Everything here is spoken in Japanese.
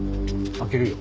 開けるよ。